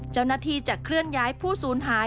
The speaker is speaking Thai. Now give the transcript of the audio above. เจ้าหน้าที่จะเคลื่อนย้ายผู้สูญหาย